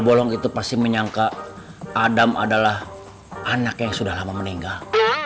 bolong itu pasti menyangka adam adalah anak yang sudah lama meninggal